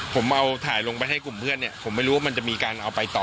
ผมเอาถ่ายลงไปให้กลุ่มเพื่อนเนี่ยผมไม่รู้ว่ามันจะมีการเอาไปต่อ